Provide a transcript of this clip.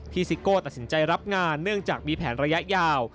ซิโก้ตัดสินใจรับงานเนื่องจากมีแผนระยะยาว